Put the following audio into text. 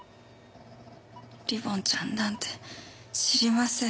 リボンちゃんなんて知りません。